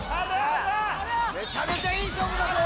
めちゃめちゃいい勝負だぞ！